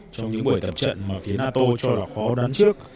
trong những buổi tập trận mà phía nato cho là khó đoán trước